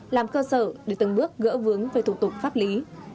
làm cơ sở để từng bước gỡ vướng về thủ tục pháp lý